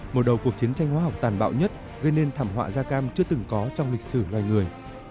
một đầu cuộc chiến tranh hóa học tàn bạo nhất gây nên thảm họa da cam chưa từng có trong lịch sử loài người